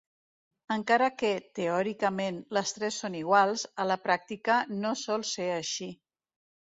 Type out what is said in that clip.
Encara que, teòricament, les tres són iguals, a la pràctica no sol ser així.